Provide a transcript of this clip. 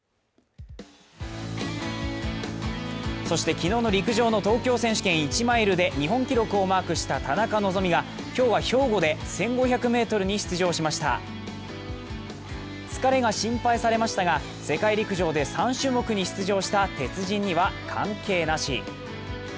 昨日の陸上の東京選手権１マイルで日本記録をマークした田中希実が今日は兵庫で１５００ｍに出場しました疲れが心配されましたが、世界陸上で３種目に出場した鉄人には関係なし。